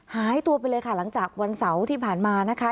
หายตัวไปเลยค่ะหลังจากวันเสาร์ที่ผ่านมานะคะ